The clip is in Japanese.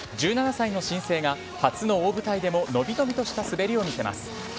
１７歳の新星が初の大舞台でものびのびとした滑りを見せます。